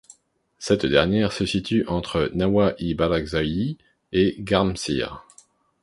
Cette dernière se situe entre Nawa-l-Barakzayi et Garmsir.